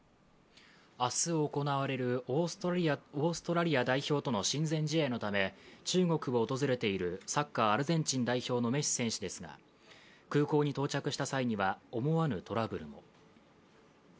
明日行われるオーストラリア代表との親善試合のため中国を訪れているサッカー・アルゼンチン代表のメッシ選手ですが空港に到着した際には思わぬトラブルも。